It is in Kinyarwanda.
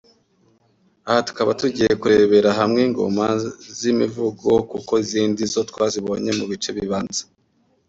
Aha tukaba tugiye kurebera hamwe Ingoma z’imivugo kuko izindi zo twazibonye mu bice bibanza